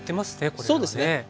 これはね。